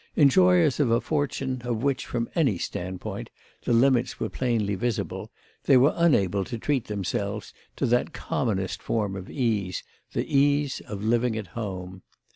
Enjoyers of a fortune of which, from any standpoint, the limits were plainly visible, they were unable to treat themselves to that commonest form of ease, the ease of living at home.